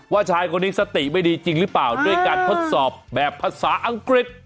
ชายคนนี้สติไม่ดีจริงหรือเปล่าด้วยการทดสอบแบบภาษาอังกฤษ